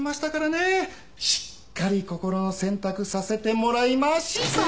しっかり心の洗濯させてもらいまシーサー！